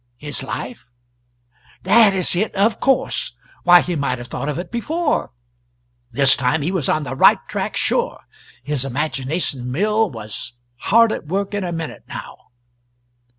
His life? That is it! Of course. Why, he might have thought of it before. This time he was on the right track, sure. His imagination mill was hard at work in a minute, now.